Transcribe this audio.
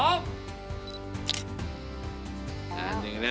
อย่างนี้แล้ว